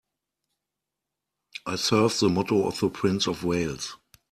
I serve the motto of the Prince of Wales.